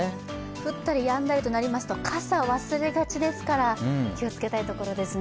降ったりやんだりとなりますと傘忘れがちですから、気をつけたいところですね。